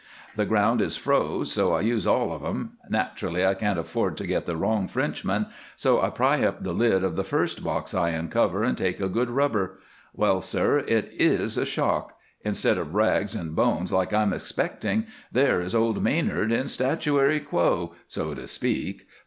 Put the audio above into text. The ground is froze, so I use all of them. Naturally I can't afford to get the wrong Frenchman, so I pry up the lid of the first box I uncover and take a good rubber. Well, sir, it is a shock! Instead of rags and bones like I'm expecting, there is old Manard in statuary quo, so to speak.